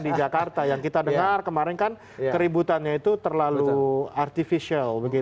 di jakarta yang kita dengar kemarin kan keributannya itu terlalu artificial